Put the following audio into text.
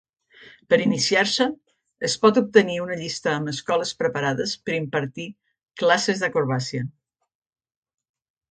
Per iniciar-se, es pot obtenir una llista amb escoles preparades per impartir classes d'acrobàcia.